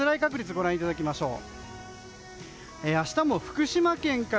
ご覧いただきましょう。